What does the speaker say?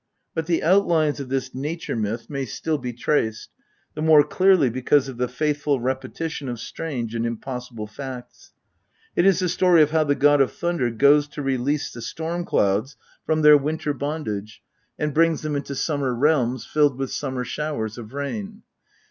But the outlines of this nature myth may still be traced, the more clearly because of the faithful repetition of strange and impossible facts. It is the story of how the god of Thunder goes to release the storm clouds from their INTRODUCTION. xxxv winter bondage and brings them into summer realms, filled with summer showers of rain.